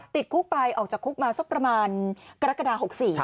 ติดคุกไปออกจากคุกมาสักประมาณกรกฎา๖๔